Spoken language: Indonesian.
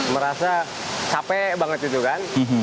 merasa capek banget itu kan